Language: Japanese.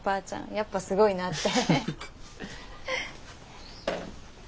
やっぱすごいなって。